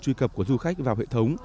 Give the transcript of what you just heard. truy cập của du khách vào hệ thống